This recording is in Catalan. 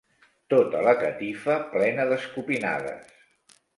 Tota la catifa plena d'escopinades.